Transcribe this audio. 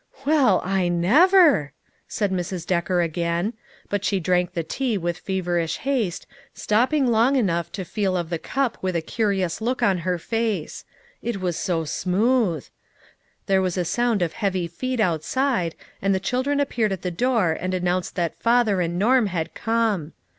"Well, I never!" said Mrs. Decker again, but she drank the tea with feverish haste, stop ping long enough to feel of the cup with a curi ous look on her face. It was so smooth. There was a sound of heavy feet outside, and the 54 LITTLE FISHERS : AND THEIR NETS. children appeared at the door and announced that father and Norm had come.